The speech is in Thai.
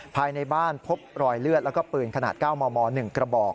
ภายในบ้านพบรอยเลือดแล้วก็ปืนขนาด๙มม๑กระบอก